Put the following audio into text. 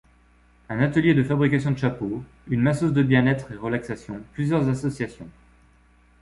Un atelier de fabrication de chapeaux, une masseuse de bien-être et relaxation, plusieurs associations.